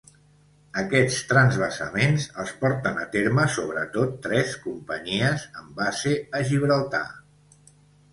Aquests transvasaments els porten a terme sobretot tres companyies amb base a Gibraltar.